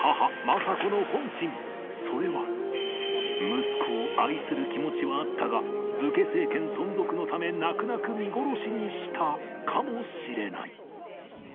息子を愛する気持ちはあったが武家政権存続のため泣く泣く見殺しにしたかもしれない